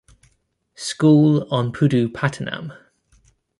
School on Pudupattinam.